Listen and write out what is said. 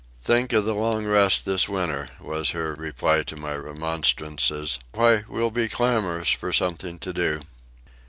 "Think of the long rest this winter," was her reply to my remonstrances. "Why, we'll be clamorous for something to do."